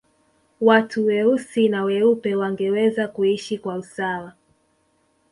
watu weusi na weupe wangeweza kuishi kwa usawa